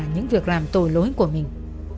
những việc làm tội lỗi của mình